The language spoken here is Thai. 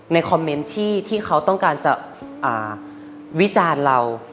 คอมเมนต์ที่เขาต้องการจะวิจารณ์เรา